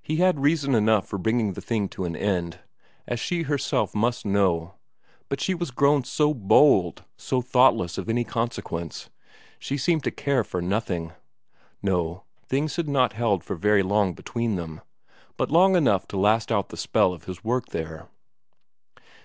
He had reason enough for bringing the thing to an end, as she herself must know; but she was grown so bold, so thoughtless of any consequence, she seemed to care for nothing. No, things had not held for so very long between them but long enough to last out the spell of his work there.